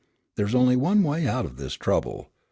There's only one way out of this trouble.